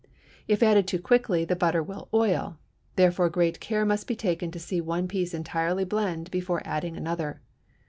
If added too quickly the butter will oil, therefore great care must be taken to see one piece entirely blend before adding another.